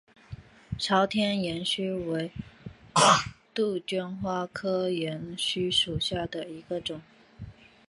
朝天岩须为杜鹃花科岩须属下的一个种。